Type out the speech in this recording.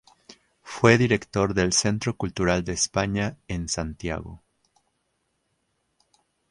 Fue director del Centro Cultural de España en Santiago.